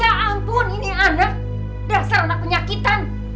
namun ini anak dasar anak penyakitan